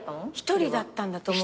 １人だったんだと思う。